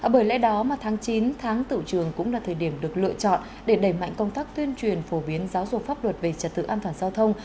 bởi lẽ đó mà tháng chín tháng tự trường cũng là thời điểm được lựa chọn để đẩy mạnh công tác tuyên truyền phổ biến giáo dục pháp luật về trật tự an toàn giao thông